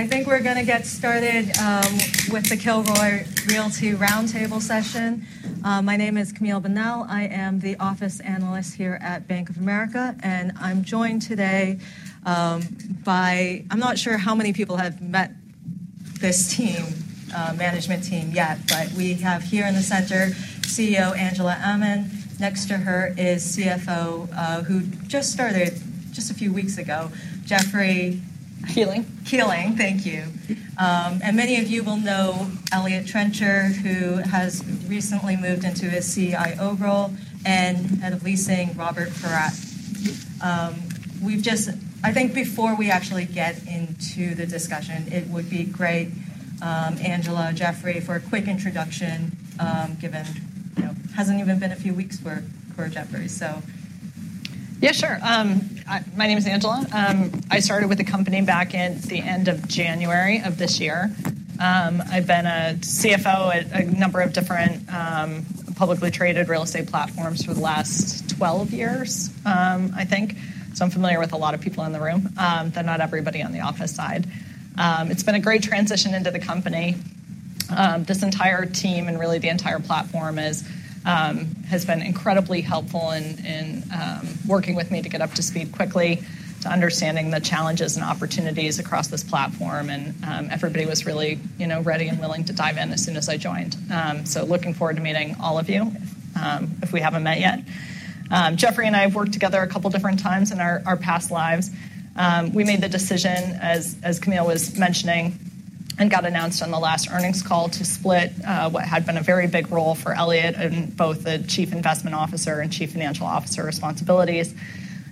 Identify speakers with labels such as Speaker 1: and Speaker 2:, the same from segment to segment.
Speaker 1: I think we're gonna get started with the Kilroy Realty roundtable session. My name is Camille Bonnel. I am the office analyst here at Bank of America, and I'm joined today by. I'm not sure how many people have met this management team yet, but we have here in the center, CEO Angela Aman. Next to her is CFO who just started a few weeks ago, Jeffrey?
Speaker 2: Kuehling.
Speaker 1: Kuehling, thank you. And many of you will know Eliott Trencher, who has recently moved into a CIO role, and head of leasing, Robert Paratte. I think before we actually get into the discussion, it would be great, Angela, Jeffrey, for a quick introduction, given, you know, it hasn't even been a few weeks for Jeffrey, so.
Speaker 2: Yeah, sure. My name is Angela. I started with the company back in the end of January of this year. I've been a CFO at a number of different, publicly traded real estate platforms for the last 12 years, I think. So I'm familiar with a lot of people in the room, though not everybody on the office side. It's been a great transition into the company. This entire team, and really, the entire platform has been incredibly helpful in working with me to get up to speed quickly, to understanding the challenges and opportunities across this platform. And, everybody was really, you know, ready and willing to dive in as soon as I joined. So looking forward to meeting all of you, if we haven't met yet. Jeffrey and I have worked together a couple different times in our past lives. We made the decision as Camille was mentioning, and got announced on the last earnings call, to split what had been a very big role for Eliott in both the Chief Investment Officer and Chief Financial Officer responsibilities.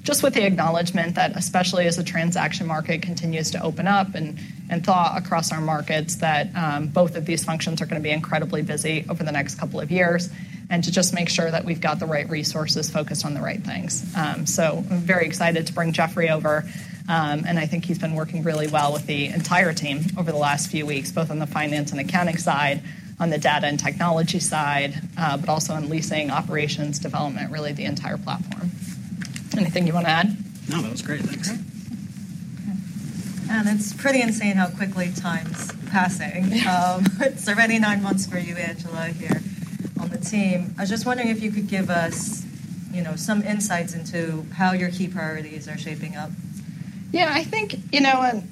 Speaker 2: Just with the acknowledgment that especially as the transaction market continues to open up and thaw across our markets, that both of these functions are going to be incredibly busy over the next couple of years, and to just make sure that we've got the right resources focused on the right things. So I'm very excited to bring Jeffrey over, and I think he's been working really well with the entire team over the last few weeks, both on the finance and accounting side, on the data and technology side, but also on leasing, operations, development, really, the entire platform. Anything you want to add?
Speaker 3: No, that was great. Thanks.
Speaker 2: Okay.
Speaker 1: It's pretty insane how quickly time's passing.
Speaker 2: Yes.
Speaker 1: It's already nine months for you, Angela, here on the team. I was just wondering if you could give us, you know, some insights into how your key priorities are shaping up?
Speaker 2: Yeah, I think, you know,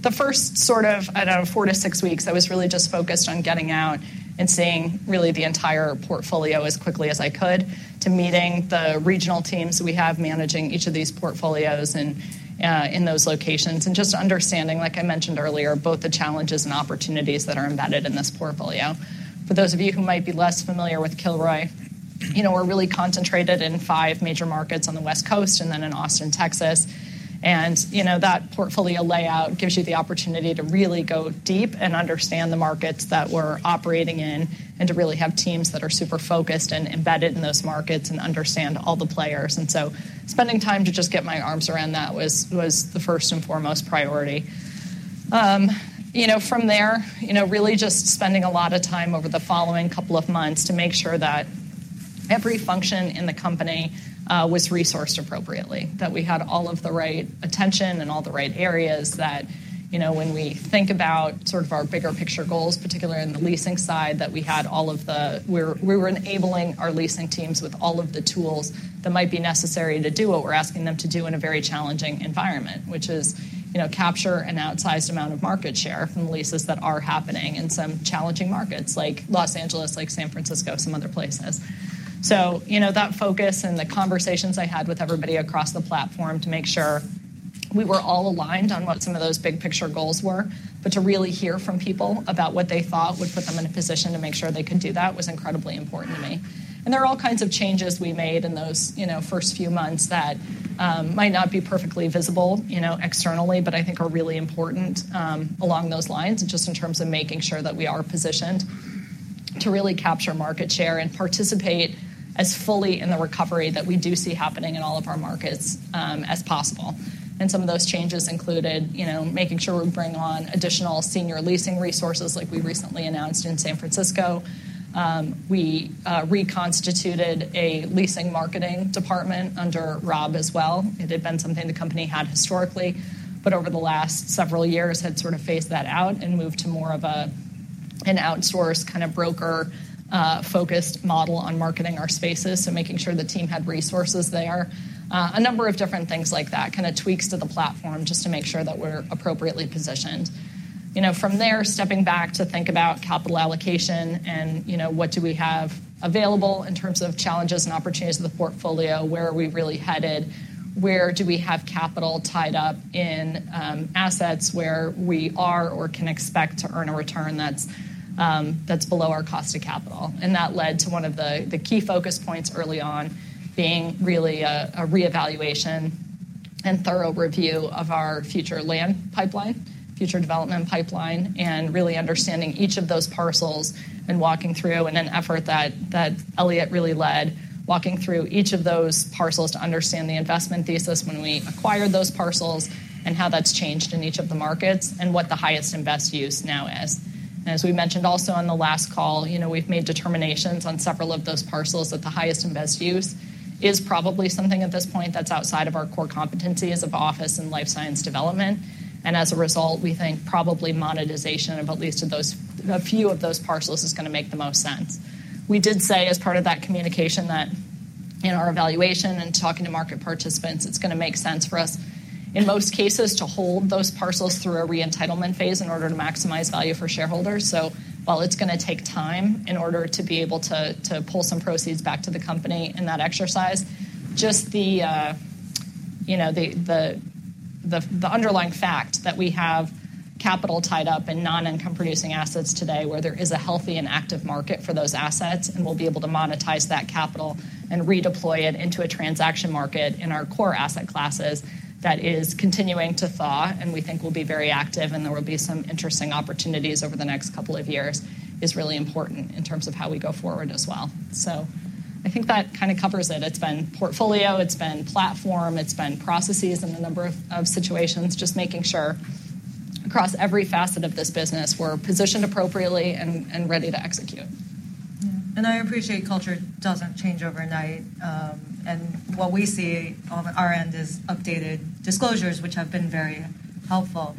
Speaker 2: the first sort of, I don't know, four to six weeks, I was really just focused on getting out and seeing really the entire portfolio as quickly as I could, to meeting the regional teams we have managing each of these portfolios and, in those locations, and just understanding, like I mentioned earlier, both the challenges and opportunities that are embedded in this portfolio. For those of you who might be less familiar with Kilroy, you know, we're really concentrated in five major markets on the West Coast and then in Austin, Texas, and you know, that portfolio layout gives you the opportunity to really go deep and understand the markets that we're operating in and to really have teams that are super focused and embedded in those markets and understand all the players. Spending time to just get my arms around that was the first and foremost priority. You know, from there, you know, really just spending a lot of time over the following couple of months to make sure that every function in the company was resourced appropriately, that we had all of the right attention and all the right areas that, you know, when we think about sort of our bigger picture goals, particularly in the leasing side, that we were enabling our leasing teams with all of the tools that might be necessary to do what we're asking them to do in a very challenging environment, which is, you know, capture an outsized amount of market share from the leases that are happening in some challenging markets, like Los Angeles, like San Francisco, some other places. So, you know, that focus and the conversations I had with everybody across the platform to make sure we were all aligned on what some of those big picture goals were, but to really hear from people about what they thought would put them in a position to make sure they could do that was incredibly important to me. And there are all kinds of changes we made in those, you know, first few months that, might not be perfectly visible, you know, externally, but I think are really important, along those lines, just in terms of making sure that we are positioned to really capture market share and participate as fully in the recovery that we do see happening in all of our markets, as possible. And some of those changes included, you know, making sure we bring on additional senior leasing resources, like we recently announced in San Francisco. We reconstituted a leasing marketing department under Rob as well. It had been something the company had historically, but over the last several years, had sort of phased that out and moved to more of an outsourced, kind of broker focused model on marketing our spaces, so making sure the team had resources there. A number of different things like that, kind of tweaks to the platform, just to make sure that we're appropriately positioned. You know, from there, stepping back to think about capital allocation and, you know, what do we have available in terms of challenges and opportunities in the portfolio? Where are we really headed? Where do we have capital tied up in assets where we are or can expect to earn a return that's below our cost of capital? And that led to one of the key focus points early on being really a reevaluation and thorough review of our future land pipeline, future development pipeline, and really understanding each of those parcels and walking through in an effort that Eliott really led, walking through each of those parcels to understand the investment thesis when we acquired those parcels and how that's changed in each of the markets and what the highest and best use now is. As we mentioned also on the last call, you know, we've made determinations on several of those parcels that the highest and best use is probably something at this point that's outside of our core competencies of office and life science development. As a result, we think probably monetization of at least a few of those parcels is going to make the most sense. We did say as part of that communication that, in our evaluation and talking to market participants, it's going to make sense for us, in most cases, to hold those parcels through a re-entitlement phase in order to maximize value for shareholders. So while it's going to take time in order to be able to, to pull some proceeds back to the company in that exercise, just the, you know, the underlying fact that we have capital tied up in non-income producing assets today, where there is a healthy and active market for those assets, and we'll be able to monetize that capital and redeploy it into a transaction market in our core asset classes, that is continuing to thaw, and we think will be very active, and there will be some interesting opportunities over the next couple of years, is really important in terms of how we go forward as well. So I think that kind of covers it. It's been portfolio, it's been platform, it's been processes in a number of situations, just making sure across every facet of this business, we're positioned appropriately and ready to execute.
Speaker 1: I appreciate culture doesn't change overnight, and what we see on our end is updated disclosures, which have been very helpful.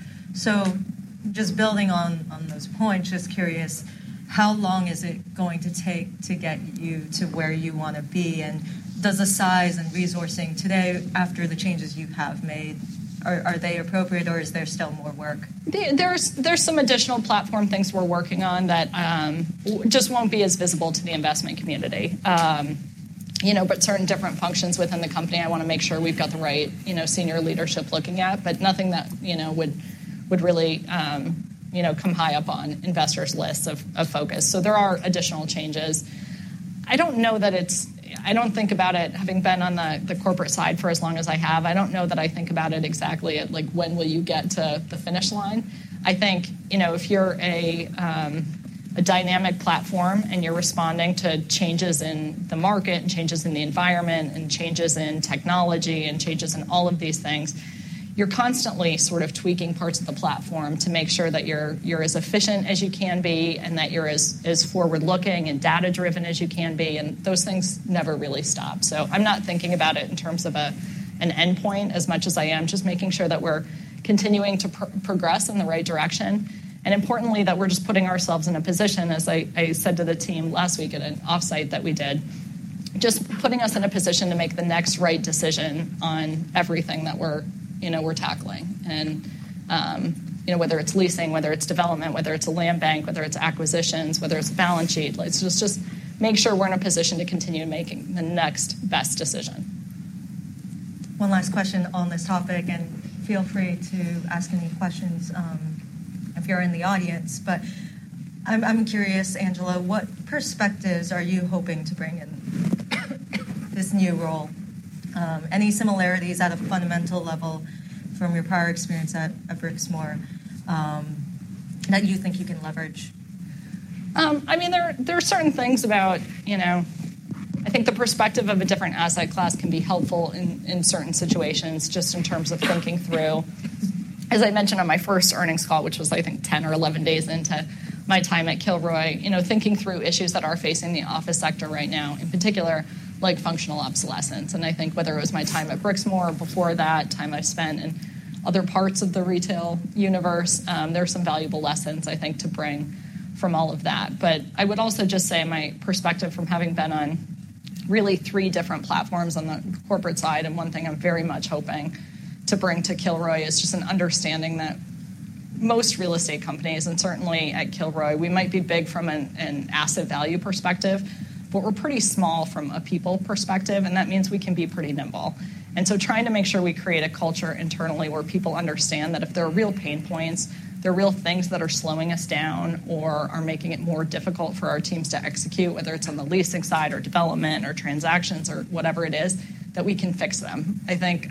Speaker 1: Just building on those points, just curious, how long is it going to take to get you to where you want to be? Does the size and resourcing today after the changes you have made, are they appropriate or is there still more work?
Speaker 2: There's some additional platform things we're working on that just won't be as visible to the investment community. You know, but certain different functions within the company, I want to make sure we've got the right, you know, senior leadership looking at, but nothing that, you know, would really come high up on investors' lists of focus. So there are additional changes. I don't know that it's. I don't think about it, having been on the corporate side for as long as I have, I don't know that I think about it exactly at, like, when will you get to the finish line? I think, you know, if you're a dynamic platform and you're responding to changes in the market, changes in the environment, and changes in technology, and changes in all of these things, you're constantly sort of tweaking parts of the platform to make sure that you're as efficient as you can be and that you're as forward-looking and data-driven as you can be, and those things never really stop. So I'm not thinking about it in terms of an endpoint as much as I am just making sure that we're continuing to progress in the right direction, and importantly, that we're just putting ourselves in a position, as I said to the team last week at an off-site that we did, just putting us in a position to make the next right decision on everything that we're, you know, we're tackling. You know, whether it's leasing, whether it's development, whether it's a land bank, whether it's acquisitions, whether it's balance sheet, let's just make sure we're in a position to continue making the next best decision.
Speaker 1: One last question on this topic, and feel free to ask any questions, if you're in the audience. But I'm curious, Angela, what perspectives are you hoping to bring in this new role? Any similarities at a fundamental level from your prior experience at Brixmor, that you think you can leverage?
Speaker 2: I mean, there are certain things about, you know. I think the perspective of a different asset class can be helpful in certain situations, just in terms of thinking through. As I mentioned on my first earnings call, which was, I think, 10 or 11 days into my time at Kilroy, you know, thinking through issues that are facing the office sector right now, in particular, like functional obsolescence. I think whether it was my time at Brixmor or before that, time I've spent in other parts of the retail universe, there are some valuable lessons, I think, to bring from all of that. But I would also just say my perspective from having been on really three different platforms on the corporate side, and one thing I'm very much hoping to bring to Kilroy, is just an understanding that most real estate companies, and certainly at Kilroy, we might be big from an asset value perspective, but we're pretty small from a people perspective, and that means we can be pretty nimble. And so trying to make sure we create a culture internally where people understand that if there are real pain points, there are real things that are slowing us down or are making it more difficult for our teams to execute, whether it's on the leasing side, or development, or transactions, or whatever it is, that we can fix them. I think,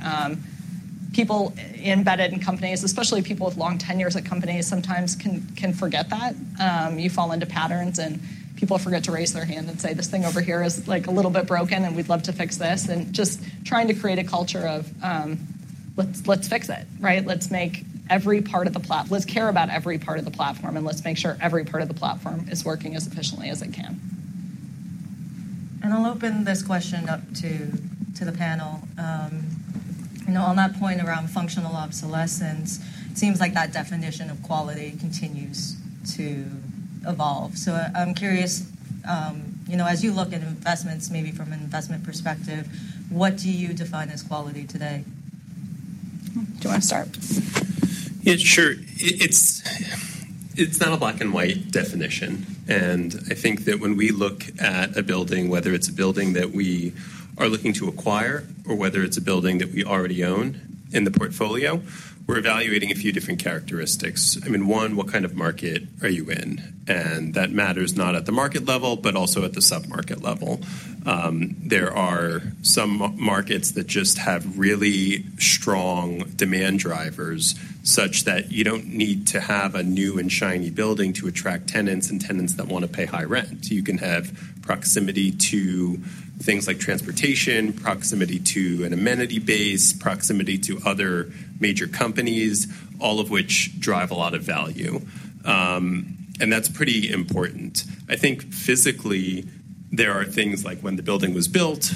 Speaker 2: people embedded in companies, especially people with long tenures at companies, sometimes can forget that. You fall into patterns, and people forget to raise their hand and say, "This thing over here is, like, a little bit broken, and we'd love to fix this." And just trying to create a culture of, let's fix it, right? Let's make every part of the platform, let's care about every part of the platform, and let's make sure every part of the platform is working as efficiently as it can.
Speaker 1: I'll open this question up to the panel. You know, on that point around functional obsolescence, seems like that definition of quality continues to evolve. I'm curious, you know, as you look at investments, maybe from an investment perspective, what do you define as quality today?
Speaker 2: Do you want to start?
Speaker 4: Yeah, sure. It's not a black-and-white definition, and I think that when we look at a building, whether it's a building that we are looking to acquire or whether it's a building that we already own in the portfolio, we're evaluating a few different characteristics. I mean, one, what kind of market are you in? And that matters not at the market level, but also at the submarket level. There are some markets that just have really strong demand drivers, such that you don't need to have a new and shiny building to attract tenants and tenants that want to pay high rent. You can have proximity to things like transportation, proximity to an amenity base, proximity to other major companies, all of which drive a lot of value. And that's pretty important. I think physically there are things like when the building was built,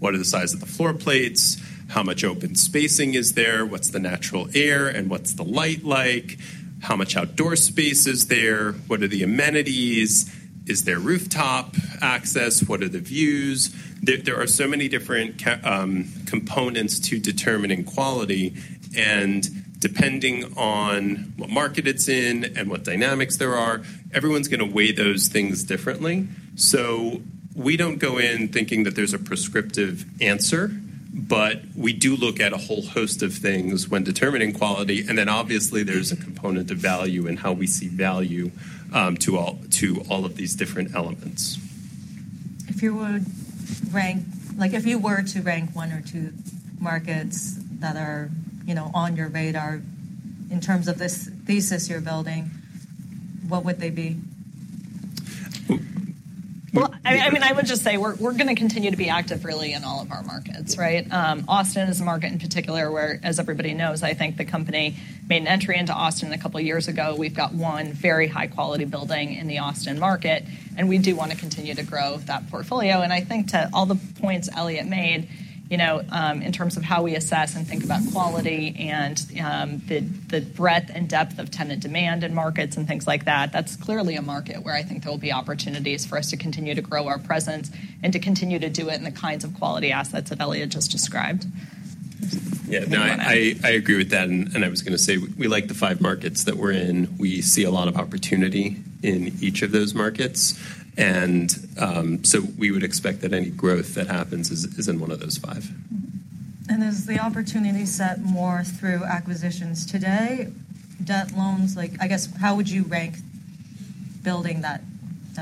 Speaker 4: what are the size of the floor plates? How much open spacing is there? What's the natural air and what's the light like? How much outdoor space is there? What are the amenities? Is there rooftop access? What are the views? There are so many different components to determining quality, and depending on what market it's in and what dynamics there are, everyone's gonna weigh those things differently. So we don't go in thinking that there's a prescriptive answer, but we do look at a whole host of things when determining quality, and then obviously, there's a component of value and how we see value to all of these different elements.
Speaker 1: Like, if you were to rank one or two markets that are, you know, on your radar in terms of this thesis you're building, what would they be?
Speaker 4: Well-
Speaker 2: I mean, I would just say, we're gonna continue to be active really in all of our markets, right? Austin is a market in particular where, as everybody knows, I think the company made an entry into Austin a couple of years ago. We've got one very high-quality building in the Austin market, and we do want to continue to grow that portfolio. And I think to all the points Eliott made, you know, in terms of how we assess and think about quality and the breadth and depth of tenant demand in markets and things like that, that's clearly a market where I think there will be opportunities for us to continue to grow our presence and to continue to do it in the kinds of quality assets that Eliott just described.
Speaker 4: Yeah. No, I agree with that, and I was gonna say, we like the five markets that we're in. We see a lot of opportunity in each of those markets, and so we would expect that any growth that happens is in one of those five.
Speaker 1: Mm-hmm. And is the opportunity set more through acquisitions today, debt loans? Like, I guess, how would you rank building that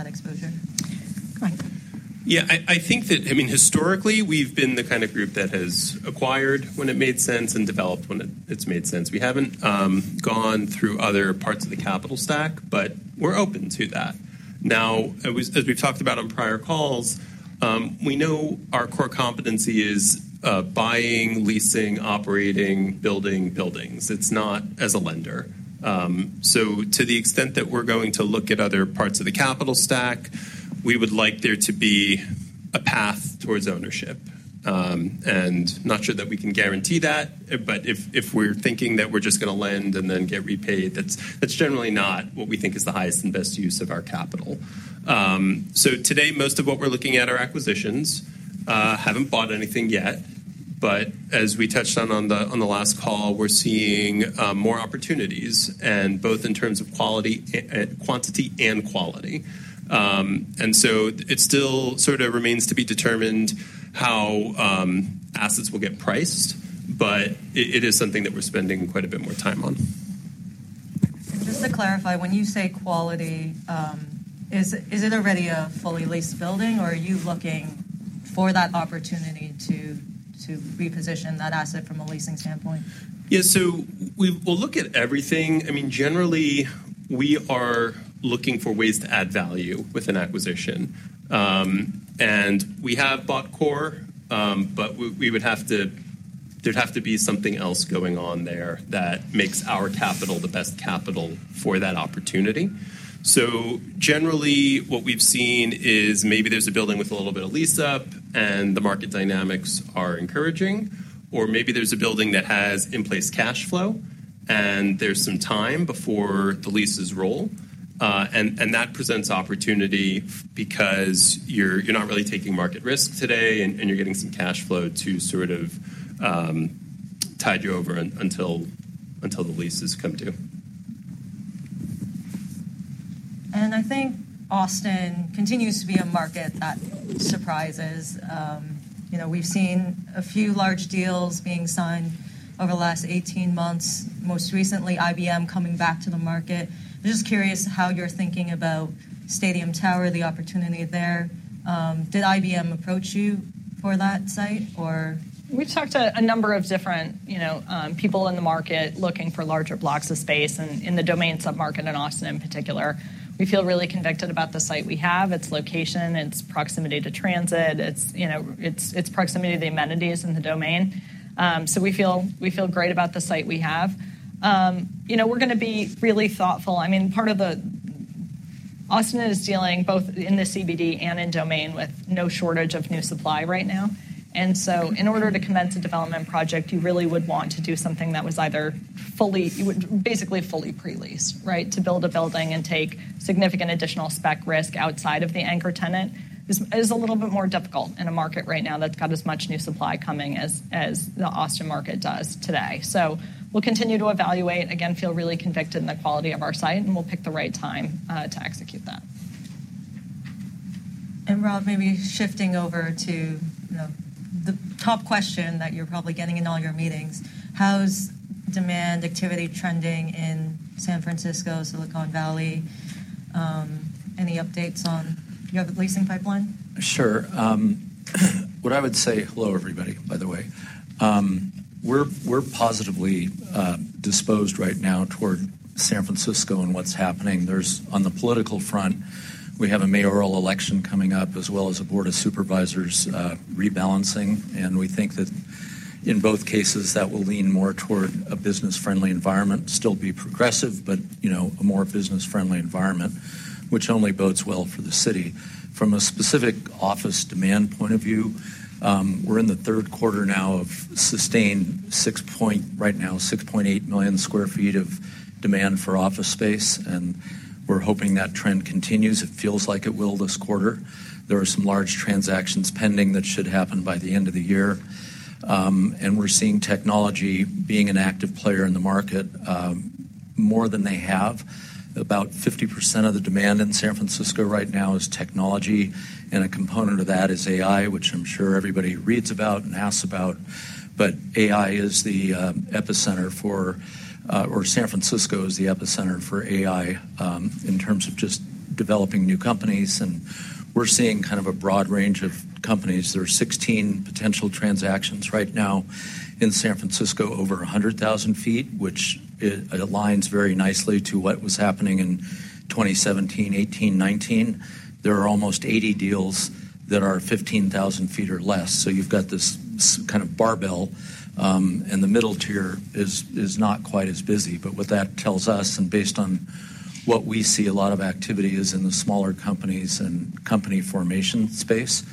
Speaker 1: exposure?
Speaker 2: Go ahead.
Speaker 4: Yeah, I think that, I mean, historically, we've been the kind of group that has acquired when it made sense and developed when it's made sense. We haven't gone through other parts of the capital stack, but we're open to that. Now, as we've talked about on prior calls, we know our core competency is buying, leasing, operating, building buildings. It's not as a lender. So to the extent that we're going to look at other parts of the capital stack, we would like there to be a path towards ownership, and not sure that we can guarantee that, but if we're thinking that we're just gonna lend and then get repaid, that's generally not what we think is the highest and best use of our capital, so today most of what we're looking at are acquisitions. Haven't bought anything yet, but as we touched on, on the last call, we're seeing more opportunities and both in terms of quality, quantity and quality. And so it still sort of remains to be determined how assets will get priced, but it is something that we're spending quite a bit more time on.
Speaker 1: Just to clarify, when you say quality, is it already a fully leased building, or are you looking for that opportunity to reposition that asset from a leasing standpoint?
Speaker 4: Yeah. So we'll look at everything. I mean, generally, we are looking for ways to add value with an acquisition. And we have bought core, but we would have to, there'd have to be something else going on there that makes our capital the best capital for that opportunity. So generally, what we've seen is maybe there's a building with a little bit of lease up and the market dynamics are encouraging, or maybe there's a building that has in-place cash flow, and there's some time before the leases roll. And that presents opportunity because you're not really taking market risk today, and you're getting some cash flow to sort of tide you over until the leases come due.
Speaker 1: I think Austin continues to be a market that surprises. You know, we've seen a few large deals being signed over the last eighteen months, most recently, IBM coming back to the market. I'm just curious how you're thinking about Stadium Tower, the opportunity there. Did IBM approach you for that site, or?
Speaker 2: We've talked to a number of different, you know, people in the market looking for larger blocks of space and in the Domain submarket in Austin, in particular. We feel really convicted about the site we have, its location, its proximity to transit, its, you know, proximity to the amenities in the Domain. So we feel great about the site we have. You know, we're gonna be really thoughtful. I mean, part of the... Austin is dealing both in the CBD and in Domain, with no shortage of new supply right now. And so in order to commence a development project, you really would want to do something that was either fully, basically fully pre-leased, right? To build a building and take significant additional spec risk outside of the anchor tenant is a little bit more difficult in a market right now that's got as much new supply coming as the Austin market does today. So we'll continue to evaluate, again, feel really convicted in the quality of our site, and we'll pick the right time to execute that.
Speaker 1: Rob, maybe shifting over to, you know, the top question that you're probably getting in all your meetings: How's demand activity trending in San Francisco, Silicon Valley? Any updates on, you know, the leasing pipeline?
Speaker 5: Sure. What I would say... Hello, everybody, by the way. We're positively disposed right now toward San Francisco and what's happening. There's, on the political front, we have a mayoral election coming up, as well as a Board of Supervisors rebalancing, and we think that in both cases, that will lean more toward a business-friendly environment. Still be progressive, but, you know, a more business-friendly environment, which only bodes well for the city. From a specific office demand point of view, we're in the third quarter now of sustained, right now, 6.8 million sq ft of demand for office space, and we're hoping that trend continues. It feels like it will this quarter. There are some large transactions pending that should happen by the end of the year. And we're seeing technology being an active player in the market, more than they have. About 50% of the demand in San Francisco right now is technology, and a component of that is AI, which I'm sure everybody reads about and asks about. But AI is the epicenter for, or San Francisco is the epicenter for AI, in terms of just developing new companies, and we're seeing kind of a broad range of companies. There are 16 potential transactions right now in San Francisco, over 100,000 sq ft, which it aligns very nicely to what was happening in 2017, 2018, 2019. There are almost 80 deals that are 15,000 sq ft or less. So you've got this kind of barbell, and the middle tier is not quite as busy. But what that tells us, and based on what we see, a lot of activity is in the smaller companies and company formation space.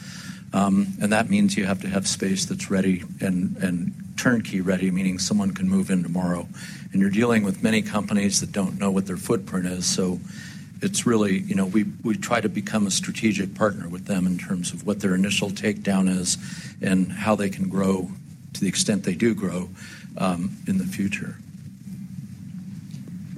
Speaker 5: And that means you have to have space that's ready and turnkey ready, meaning someone can move in tomorrow. And you're dealing with many companies that don't know what their footprint is, so it's really... You know, we try to become a strategic partner with them in terms of what their initial takedown is and how they can grow to the extent they do grow, in the future.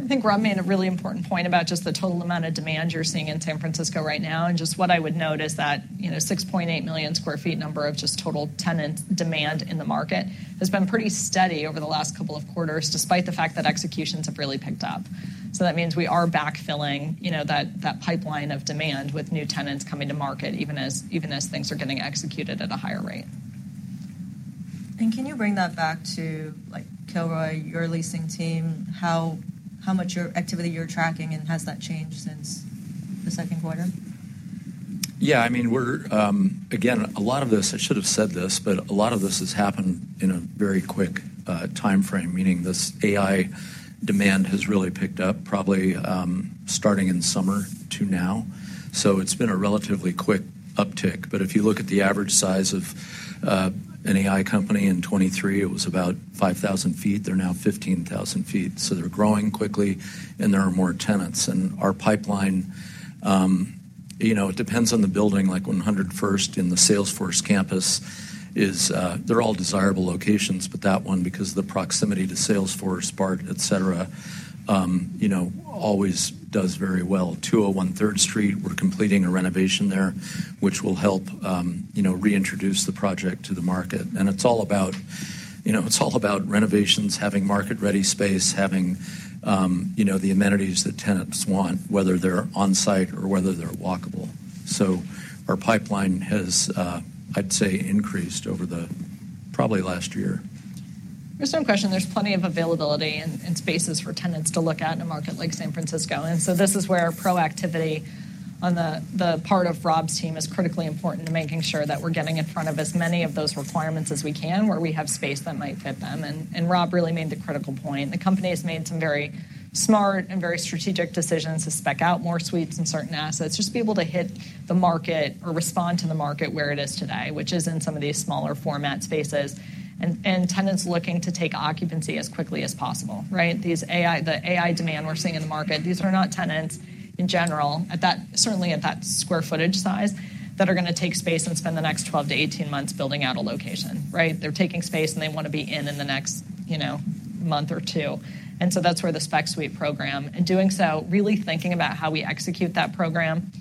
Speaker 2: I think Rob made a really important point about just the total amount of demand you're seeing in San Francisco right now, and just what I would note is that, you know, 6.8 million sq ft number of just total tenant demand in the market has been pretty steady over the last couple of quarters, despite the fact that executions have really picked up, so that means we are backfilling, you know, that pipeline of demand with new tenants coming to market, even as things are getting executed at a higher rate.
Speaker 1: Can you bring that back to, like, Kilroy, your leasing team, how much your activity you're tracking, and has that changed since the second quarter?
Speaker 5: Yeah, I mean, we're again a lot of this. I should have said this, but a lot of this has happened in a very quick timeframe, meaning this AI demand has really picked up, probably starting in summer to now. So it's been a relatively quick uptick. But if you look at the average size of an AI company in 2023, it was about 5,000 sq ft. They're now 15,000 sq ft, so they're growing quickly, and there are more tenants. And our pipeline, you know, it depends on the building. Like, 100 First Street in the Salesforce campus is. They're all desirable locations, but that one, because of the proximity to Salesforce, BART, et cetera, you know, always does very well. 201 Third Street, we're completing a renovation there, which will help, you know, reintroduce the project to the market. It's all about, you know, it's all about renovations, having market-ready space, having, you know, the amenities that tenants want, whether they're on-site or whether they're walkable. Our pipeline has, I'd say, increased over the probably last year.
Speaker 2: There's no question there's plenty of availability and spaces for tenants to look at in a market like San Francisco, and so this is where proactivity on the part of Rob's team is critically important to making sure that we're getting in front of as many of those requirements as we can, where we have space that might fit them, and Rob really made the critical point. The company has made some very smart and very strategic decisions to spec out more suites and certain assets, just to be able to hit the market or respond to the market where it is today, which is in some of these smaller format spaces and tenants looking to take occupancy as quickly as possible, right? These AI, the AI demand we're seeing in the market, these are not tenants in general, at that, certainly at that square footage size, that are gonna take space and spend the next 12-18 months building out a location, right? They're taking space, and they want to be in the next, you know, 1 or 2 months. And so that's where the Spec Suite program, in doing so, really thinking about how we execute that program,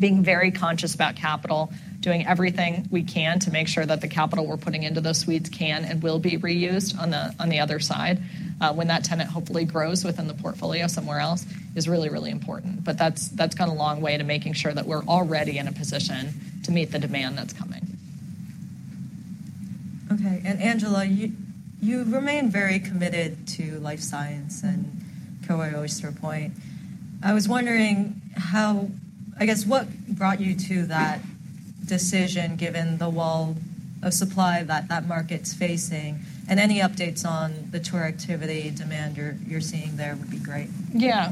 Speaker 2: being very conscious about capital, doing everything we can to make sure that the capital we're putting into those suites can and will be reused on the other side, when that tenant hopefully grows within the portfolio somewhere else, is really, really important. But that's gone a long way to making sure that we're already in a position to meet the demand that's coming.
Speaker 1: Okay, and Angela, you remain very committed to life science and Kilroy Oyster Point. I was wondering how... I guess, what brought you to that decision, given the wall of supply that market's facing? And any updates on the tour activity demand you're seeing there would be great.
Speaker 2: Yeah.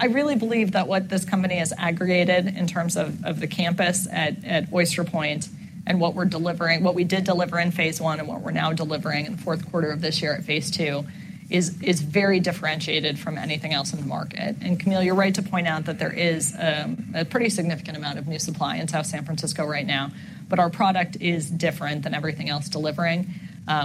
Speaker 2: I really believe that what this company has aggregated in terms of the campus at Oyster Point and what we're delivering, what we did deliver in phase one and what we're now delivering in the fourth quarter of this year at phase two, is very differentiated from anything else in the market. And, Camille, you're right to point out that there is a pretty significant amount of new supply in South San Francisco right now, but our product is different than everything else delivering.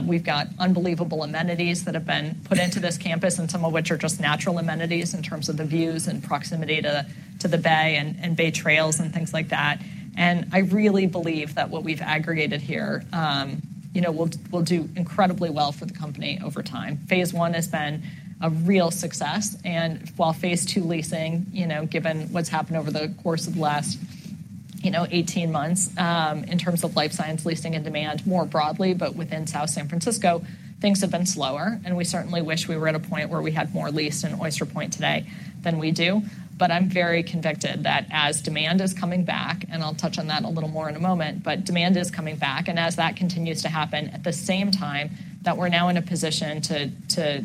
Speaker 2: We've got unbelievable amenities that have been put into this campus, and some of which are just natural amenities in terms of the views and proximity to the bay and bay trails and things like that. And I really believe that what we've aggregated here, you know, will do incredibly well for the company over time. Phase one has been a real success, and while phase two leasing, you know, given what's happened over the course of the last eighteen months, in terms of life science leasing and demand more broadly. But within South San Francisco, things have been slower, and we certainly wish we were at a point where we had more leased in Oyster Point today than we do. But I'm very convicted that as demand is coming back, and I'll touch on that a little more in a moment, but demand is coming back, and as that continues to happen, at the same time, that we're now in a position to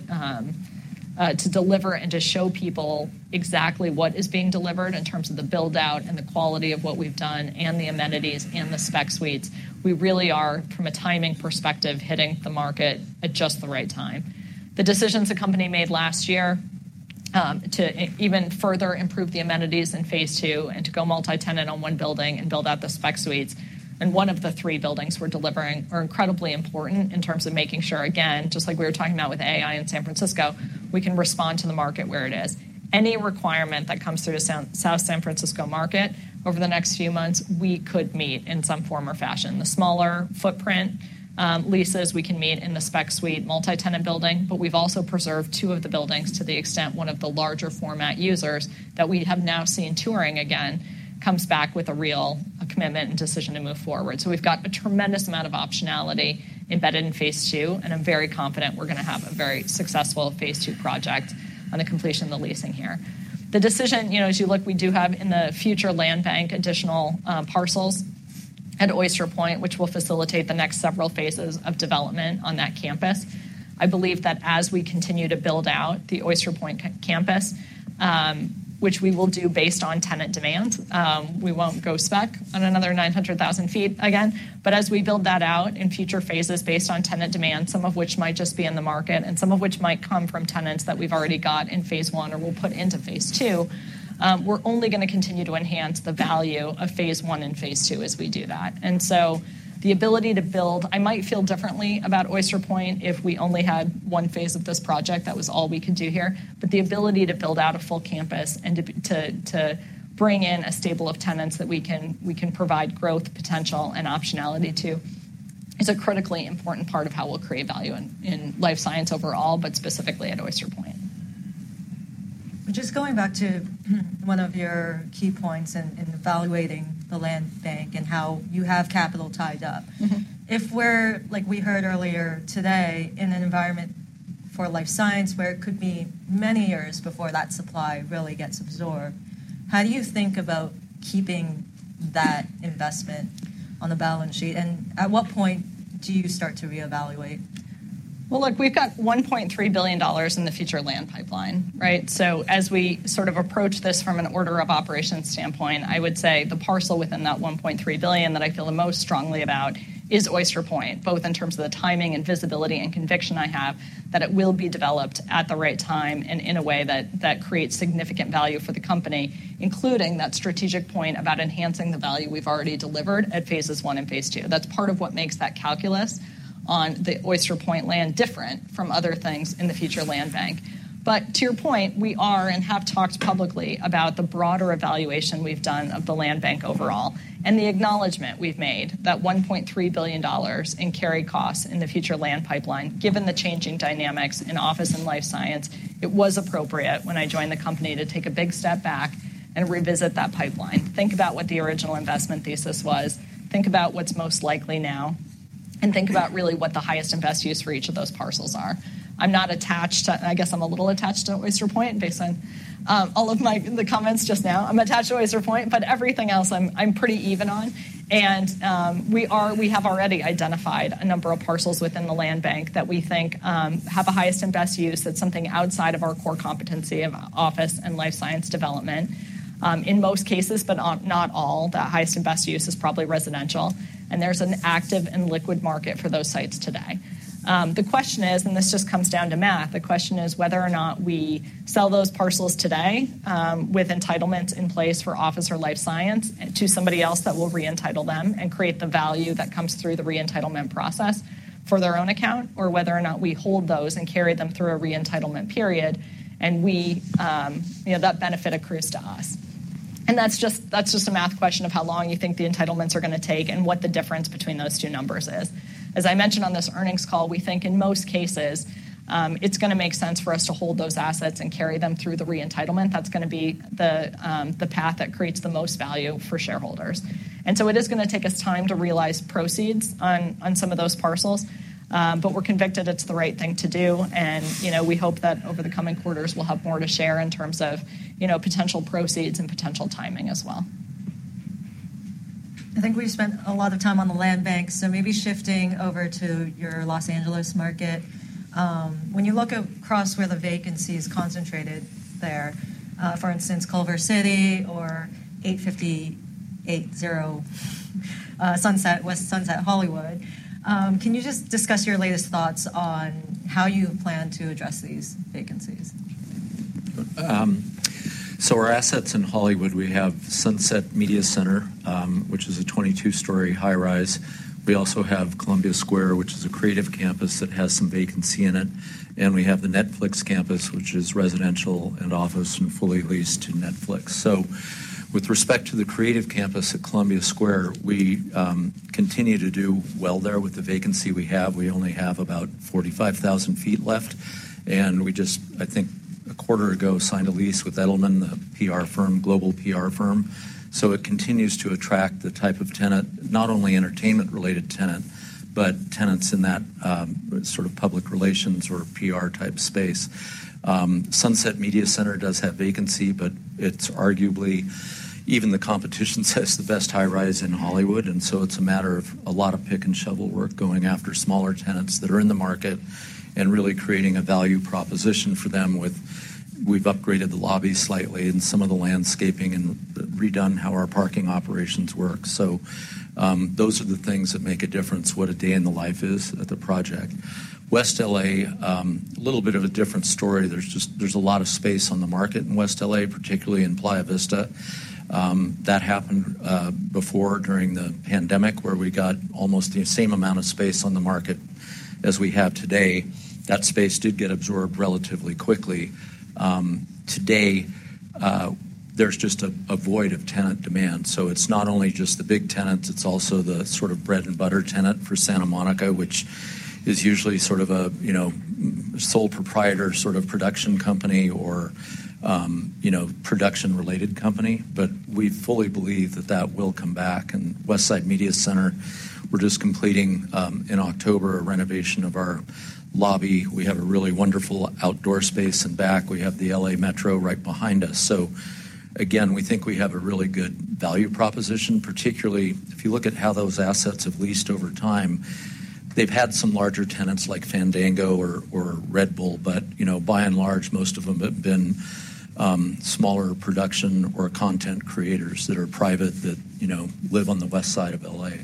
Speaker 2: deliver and to show people exactly what is being delivered in terms of the build-out and the quality of what we've done and the amenities and the spec suites. We really are, from a timing perspective, hitting the market at just the right time. The decisions the company made last year, to even further improve the amenities in phase two and to go multi-tenant on one building and build out the spec suites, and one of the three buildings we're delivering are incredibly important in terms of making sure, again, just like we were talking about with AI in San Francisco, we can respond to the market where it is. Any requirement that comes through to South San Francisco market over the next few months, we could meet in some form or fashion. The smaller footprint, leases we can meet in the spec suite, multi-tenant building, but we've also preserved two of the buildings to the extent one of the larger format users that we have now seen touring again, comes back with a real, a commitment and decision to move forward. So we've got a tremendous amount of optionality embedded in phase two, and I'm very confident we're going to have a very successful phase two project on the completion of the leasing here. The decision, you know, as you look, we do have in the future land bank, additional, parcels at Oyster Point, which will facilitate the next several phases of development on that campus. I believe that as we continue to build out the Oyster Point campus, which we will do based on tenant demand, we won't go spec on another 900,000 sq ft again. But as we build that out in future phases based on tenant demand, some of which might just be in the market, and some of which might come from tenants that we've already got in phase one or we'll put into phase two, we're only going to continue to enhance the value of phase one and phase two as we do that. And so the ability to build. I might feel differently about Oyster Point if we only had one phase of this project, that was all we could do here. But the ability to build out a full campus and to bring in a stable of tenants that we can provide growth, potential, and optionality to is a critically important part of how we'll create value in life science overall, but specifically at Oyster Point.
Speaker 1: Just going back to one of your key points in evaluating the land bank and how you have capital tied up.
Speaker 2: Mm-hmm.
Speaker 1: If we're, like we heard earlier today, in an environment for life science, where it could be many years before that supply really gets absorbed, how do you think about keeping that investment on the balance sheet, and at what point do you start to reevaluate?
Speaker 2: Look, we've got $1.3 billion in the future land pipeline, right? So as we sort of approach this from an order of operations standpoint, I would say the parcel within that $1.3 billion that I feel the most strongly about is Oyster Point, both in terms of the timing and visibility and conviction I have that it will be developed at the right time and in a way that creates significant value for the company, including that strategic point about enhancing the value we've already delivered at phases one and phase two. That's part of what makes that calculus on the Oyster Point land different from other things in the future land bank. But to your point, we are and have talked publicly about the broader evaluation we've done of the land bank overall, and the acknowledgment we've made that $1.3 billion in carry costs in the future land pipeline, given the changing dynamics in office and life science. It was appropriate when I joined the company to take a big step back and revisit that pipeline. Think about what the original investment thesis was, think about what's most likely now, and think about really what the highest and best use for each of those parcels are. I'm not attached to... I guess I'm a little attached to Oyster Point, based on all of my comments just now. I'm attached to Oyster Point, but everything else I'm pretty even on. We have already identified a number of parcels within the land bank that we think have the highest and best use. That's something outside of our core competency of office and life science development. In most cases, but not all, the highest and best use is probably residential, and there's an active and liquid market for those sites today. The question is, and this just comes down to math, the question is whether or not we sell those parcels today with entitlements in place for office or life science to somebody else that will re-entitle them and create the value that comes through the re-entitlement process for their own account, or whether or not we hold those and carry them through a re-entitlement period, and we, you know, that benefit accrues to us. And that's just a math question of how long you think the entitlements are going to take and what the difference between those two numbers is. As I mentioned on this earnings call, we think in most cases it's going to make sense for us to hold those assets and carry them through the re-entitlement. That's going to be the path that creates the most value for shareholders. And so it is going to take us time to realize proceeds on some of those parcels, but we're convicted it's the right thing to do, and you know, we hope that over the coming quarters we'll have more to share in terms of you know, potential proceeds and potential timing as well.
Speaker 1: I think we've spent a lot of time on the land bank, so maybe shifting over to your Los Angeles market. When you look across where the vacancy is concentrated there, for instance, Culver City or 8580 Sunset, West Sunset, Hollywood, can you just discuss your latest thoughts on how you plan to address these vacancies?...
Speaker 5: So our assets in Hollywood, we have Sunset Media Center, which is a 22-story high-rise. We also have Columbia Square, which is a creative campus that has some vacancy in it, and we have the Netflix campus, which is residential and office, and fully leased to Netflix. So with respect to the creative campus at Columbia Square, we continue to do well there with the vacancy we have. We only have about 45,000 sq ft left, and we just, I think, a quarter ago, signed a lease with Edelman, the PR firm, global PR firm. So it continues to attract the type of tenant, not only entertainment-related tenant, but tenants in that sort of public relations or PR-type space. Sunset Media Center does have vacancy, but it's arguably, even the competition says the best high-rise in Hollywood, and so it's a matter of a lot of pick and shovel work, going after smaller tenants that are in the market and really creating a value proposition for them with... We've upgraded the lobby slightly and some of the landscaping and redone how our parking operations work. So, those are the things that make a difference, what a day in the life is at the project. West LA, a little bit of a different story. There's a lot of space on the market in West LA, particularly in Playa Vista. That happened before, during the pandemic, where we got almost the same amount of space on the market as we have today. That space did get absorbed relatively quickly. Today, there's just a void of tenant demand. So it's not only just the big tenants, it's also the sort of bread-and-butter tenant for Santa Monica, which is usually sort of a you know, sole proprietor sort of production company or, you know, production-related company. But we fully believe that that will come back. And Westside Media Center, we're just completing in October a renovation of our lobby. We have a really wonderful outdoor space in back. We have the LA Metro right behind us. So again, we think we have a really good value proposition, particularly if you look at how those assets have leased over time. They've had some larger tenants like Fandango or Red Bull, but, you know, by and large, most of them have been smaller production or content creators that are private, that, you know, live on the Westside of LA.
Speaker 2: Yeah,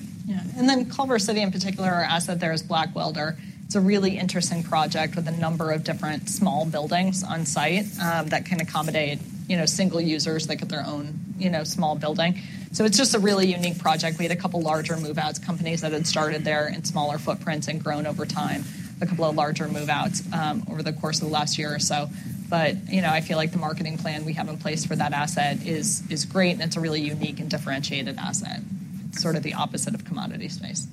Speaker 2: and then Culver City, in particular, our asset there is Blackwelder. It's a really interesting project with a number of different small buildings on site that can accommodate, you know, single users that get their own, you know, small building. So it's just a really unique project. We had a couple larger move-outs, companies that had started there in smaller footprints and grown over time, a couple of larger move-outs over the course of the last year or so. But, you know, I feel like the marketing plan we have in place for that asset is, is great, and it's a really unique and differentiated asset, sort of the opposite of commodity space.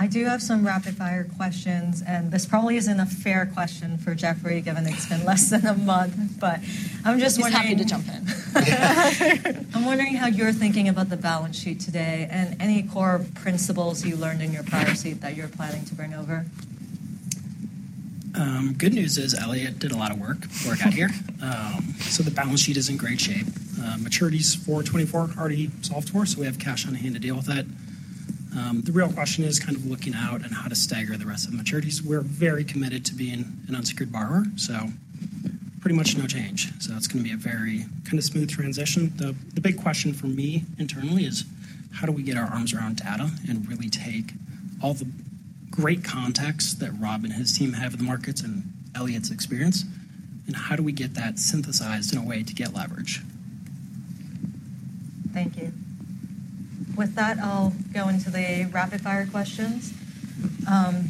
Speaker 1: I do have some rapid-fire questions, and this probably isn't a fair question for Jeffrey, given it's been less than a month, but I'm just wondering-
Speaker 2: He's happy to jump in.
Speaker 1: I'm wondering how you're thinking about the balance sheet today and any core principles you learned in your prior seat that you're planning to bring over?
Speaker 3: Good news is Eliott did a lot of work out here. So the balance sheet is in great shape. Maturities for 2024 are already solved for, so we have cash on hand to deal with that. The real question is kind of looking out and how to stagger the rest of the maturities. We're very committed to being an unsecured borrower, so pretty much no change. So it's gonna be a very kind of smooth transition. The big question for me internally is: How do we get our arms around data and really take all the great context that Rob and his team have in the markets and Eliott's experience, and how do we get that synthesized in a way to get leverage?
Speaker 1: Thank you. With that, I'll go into the rapid-fire questions.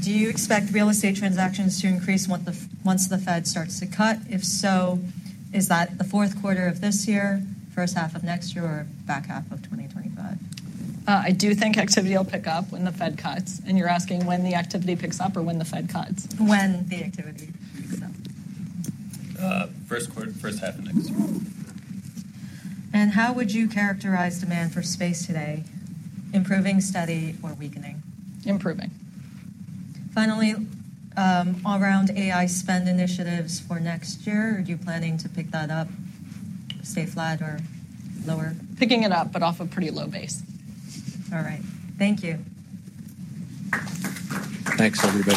Speaker 1: Do you expect real estate transactions to increase once the Fed starts to cut? If so, is that the fourth quarter of this year, first half of next year, or back half of 2025?
Speaker 2: I do think activity will pick up when the Fed cuts, and you're asking when the activity picks up, or when the Fed cuts?
Speaker 1: When the activity picks up.
Speaker 5: First quarter, first half of next year.
Speaker 1: How would you characterize demand for space today? Improving, steady, or weakening?
Speaker 2: Improving.
Speaker 1: Finally, all around AI spend initiatives for next year, are you planning to pick that up, stay flat, or lower?
Speaker 2: Picking it up, but off a pretty low base.
Speaker 1: All right. Thank you.
Speaker 5: Thanks, everybody.